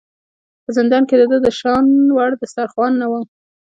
په زندان کې د ده د شان وړ دسترخوان نه و.